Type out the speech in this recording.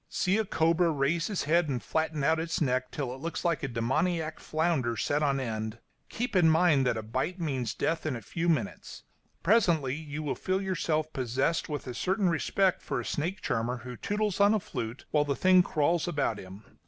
See a cobra raise its head and flatten out its neck till it looks like a demoniac flounder set on end; keep in mind that a bite means death in a few minutes; presently you will feel yourself possessed with a certain respect for a snake charmer who tootles on a flute while the thing crawls about him.